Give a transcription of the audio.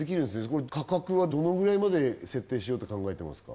これ価格はどのぐらいまで設定しようって考えてますか？